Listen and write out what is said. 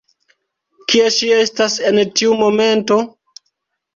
Kie ŝi estas en tiu momento?